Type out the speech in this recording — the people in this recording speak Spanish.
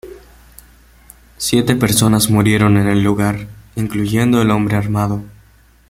Siete personas murieron en el lugar, incluyendo el hombre armado.